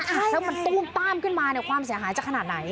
แล้วมันตู้มต้ามขึ้นมาเนี่ยความเสียหายจะขนาดไหน